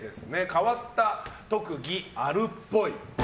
変わった特技あるっぽい。